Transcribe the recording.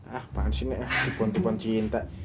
ah apaan sih nek tepon tepon cinta